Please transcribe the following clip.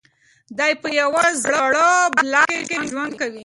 دی په یوه زاړه بلاک کې ژوند کوي.